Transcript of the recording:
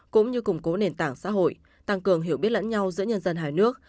cũng như củng cố nền tảng xã hội tăng cường hiểu biết lẫn nhau giữa nhân dân hai nước